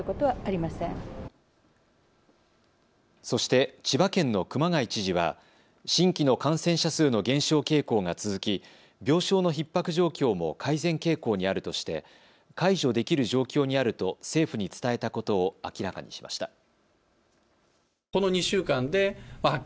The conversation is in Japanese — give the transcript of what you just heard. そして千葉県の熊谷知事は新規の感染者数の減少傾向が続き病床のひっ迫状況も改善傾向にあるとして解除できる状況にあると政府に伝えたことを明らかにしました。